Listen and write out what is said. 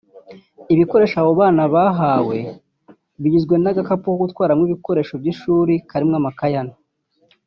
Ibyo bikoresho abo bana bahawe bigizwe n’agakapu ko gutwaramo ibikoresho by’ishuri karimo amakaye ane